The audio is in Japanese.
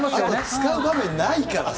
使う場面ないからさ。